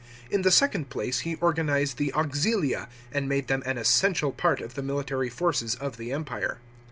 In the second place, he organised the auxilia, and made them an essential part of the military forces of the Empire.